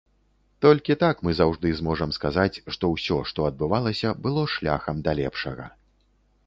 Толькі так мы заўжды зможам сказаць, што ўсё, што адбывалася, было шляхам да лепшага.